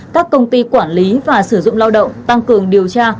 các công ty quản lý và sử dụng lao động tăng cường điều tra